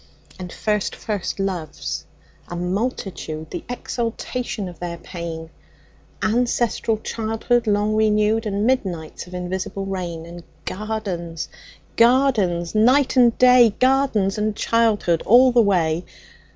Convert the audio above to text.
And first first loves, a multitude, The exaltation of their pain; Ancestral childhood long renewed; And midnights of invisible rain; And gardens, gardens, night and day, Gardens and childhood all the way.